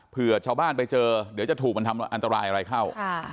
เพื่อชาวบ้านไปเจอเดี๋ยวจะถูกมันทำอันตรายอะไรเข้า